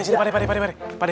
sini pade pade